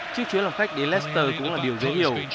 trước chuyến lòng khách đến leicester cũng là điều dễ hiểu